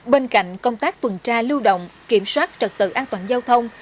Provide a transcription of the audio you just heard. bên cạnh công tác tuần tra lưu động kiểm soát trật tự an toàn giao thông